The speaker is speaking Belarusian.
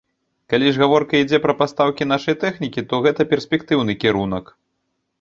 Калі ж гаворка ідзе пра пастаўкі нашай тэхнікі, то гэта перспектыўны кірунак.